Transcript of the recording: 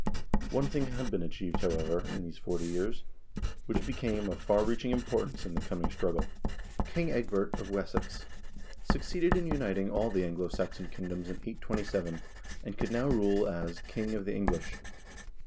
One thing had been achieved, however, in these forty years, which became of far reaching importance in the coming THE VIKING PERIOD 53 struggle. King Ecgbert of Wessex succeeded in uniting all the Anglo Saxon kingdoms in 827, and could now rule as "King of the English."